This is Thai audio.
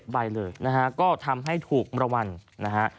ใบเลยนะฮะก็ทำให้ถูกมรวรรณนะฮะ